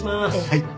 はい。